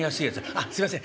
「あっすいません。